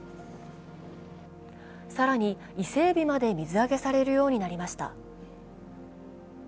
更に、イセエビまで水揚げされるようになりました。